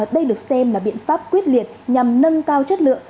đây được xem là biện pháp quyết liệt nhằm nâng cao chất lượng